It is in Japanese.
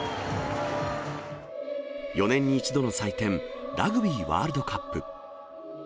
４年に１度の祭典、ラグビーワールドカップ。